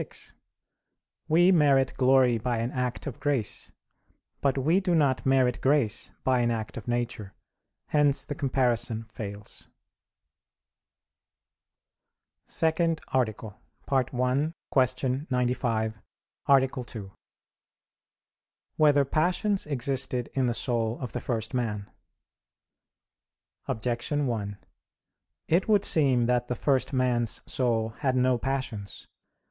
6: We merit glory by an act of grace; but we do not merit grace by an act of nature; hence the comparison fails. _______________________ SECOND ARTICLE [I, Q. 95, Art. 2] Whether Passions Existed in the Soul of the First Man? Objection 1: It would seem that the first man's soul had no passions.